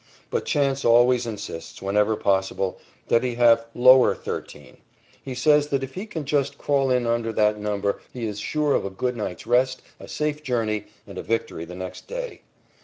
But Chance always insists, whenever possible, that he have "lower 13." He says that if he can just crawl in under that number he is sure of a good night's rest, a safe journey, and a victory the next day.